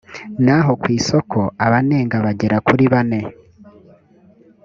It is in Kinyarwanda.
naho ku isoko abanenga bagera kuri bane